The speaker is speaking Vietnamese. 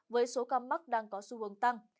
với số ca mắc đang có xu hướng tăng